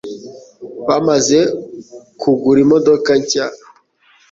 bamaze kugura imodoka nshya.